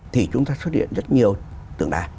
thì chúng ta xuất hiện rất nhiều tượng đài